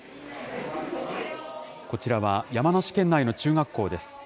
こちらは山梨県内の中学校です。